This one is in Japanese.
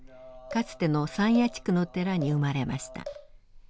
かつての山谷地区の寺に生まれました。